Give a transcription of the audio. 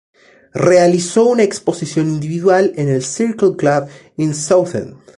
Realizó una exposición individual en el Circle Club in Southend.